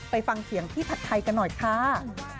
ไปฟังเสียงพี่ผัดไทยกันหน่อยค่ะ